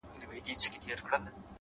اوس پر ما لري؛